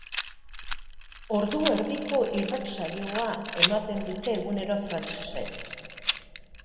Ordu erdiko irratsaioa ematen dute egunero frantsesez.